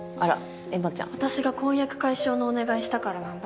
私が婚約解消のお願いしたからなんだ。